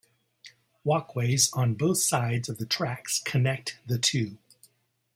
Walkways on both sides of the tracks connect the two.